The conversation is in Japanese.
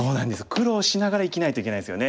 苦労しながら生きないといけないんですよね。